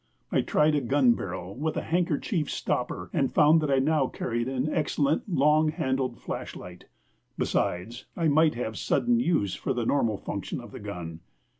I tried a gun barrel with a handkerchief stopper, and found that I now carried an excellent, long handled flashlight. Besides, I might have sudden use for the normal function of the gun.